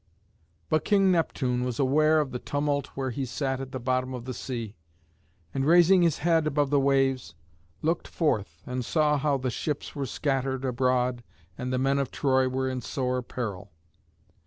] But King Neptune was aware of the tumult where he sat at the bottom of the sea, and raising his head above the waves, looked forth and saw how the ships were scattered abroad and the men of Troy were in sore peril.